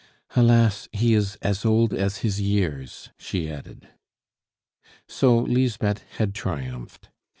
"Alas! he is as old as his years," she added. So Lisbeth had triumphed.